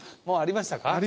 もうありましたか？